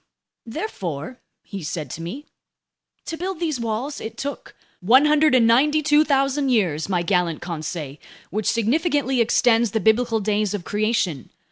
"Therefore," he said to me, "to build these walls, it took ...?" "192,000 years, my gallant Conseil, which significantly extends the biblical Days of Creation.